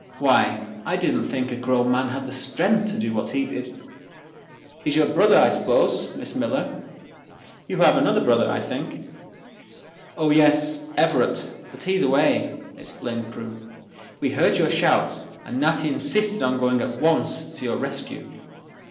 "Why, I didn't think a grown man had the strength to do what he did. He is your brother, I suppose, Miss Miller. You have another brother, I think?" "Oh, yes—Everett—but he is away," explained Prue. "We heard your shouts and Natty insisted on going at once to your rescue."